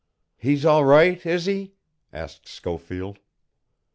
"He's all right, is he?" asked Schofield.